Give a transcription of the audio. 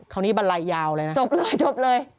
เขานี้บรรลัยยาวเลยนะจบเลย